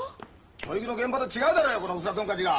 教育の現場と違うだろうがよこの薄らトンカチが！